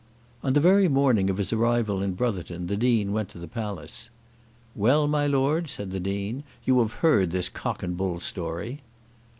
On the very morning of his arrival in Brotherton the Dean went to the palace. "Well, my lord," said the Dean, "you have heard this cock and bull story."